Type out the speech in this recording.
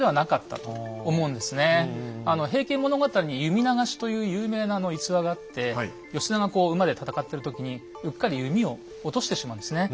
「平家物語」に「弓流し」という有名な逸話があって義経がこう馬で戦ってる時にうっかり弓を落としてしまうんですね。